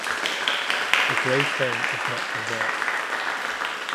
The gravestone is not preserved.